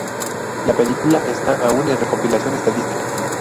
La película está aún en recopilación estadística.